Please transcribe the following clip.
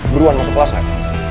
beruan masuk kelas nek